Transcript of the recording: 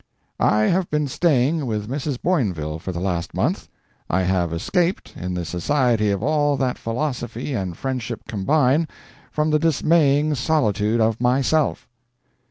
"I have been staying with Mrs. Boinville for the last month; I have escaped, in the society of all that philosophy and friendship combine, from the dismaying solitude of myself."